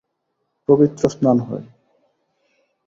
পবিত্র স্নান হয়।